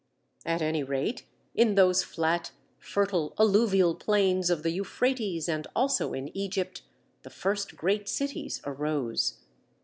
At any rate, in those flat, fertile, alluvial plains of the Euphrates, and also in Egypt, the first great cities arose.